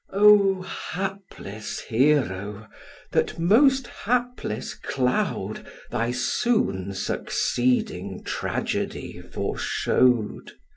O hapless Hero! that most hapless cloud Thy soon succeeding tragedy foreshow'd.